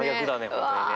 本当にね。